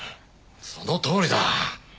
そのとおりだ。